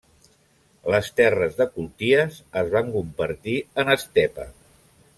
Les terres de culties es van convertir en estepa.